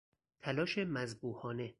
تلاش مذبوحانه